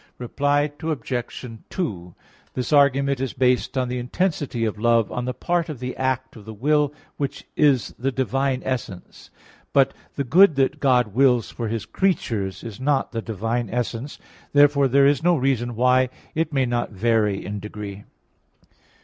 Reply Obj. 2: This argument is based on the intensity of love on the part of the act of the will, which is the divine essence. But the good that God wills for His creatures, is not the divine essence. Therefore there is no reason why it may not vary in degree.